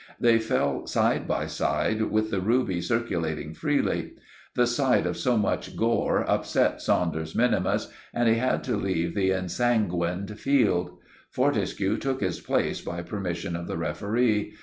They fell side by side with the ruby circulating freely. The sight of so much gore upset Saunders minimus, and he had to leave the ensanguined field. Fortescue took his place by permission of the referee.